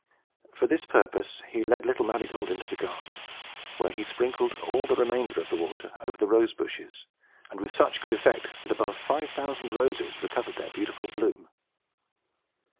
For this purpose, he led little Marygold into the garden, where he sprinkled all the remainder of the water over the rose bushes, and with such good effect that above five thousand roses recovered their beautiful bloom.